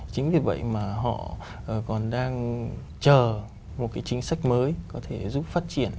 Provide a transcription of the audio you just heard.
chính vì vậy mà họ còn đang chờ một cái chính sách mới có thể giúp phát triển